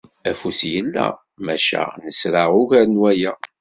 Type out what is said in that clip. Afus yella maca nesra ugar n waya.